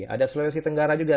ada sulawesi tenggara juga